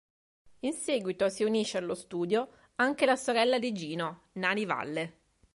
In seguito si unisce allo studio anche la sorella di Gino, Nani Valle.